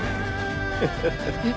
えっ？